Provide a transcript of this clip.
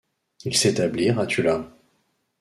Ils s'établirent à Tula.